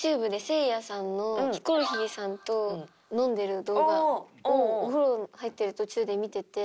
ヒコロヒーさんと飲んでる動画をお風呂入ってる途中で見てて。